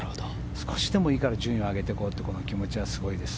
少しでもいいから順位を上げていこうっていう気持ちはすごいです。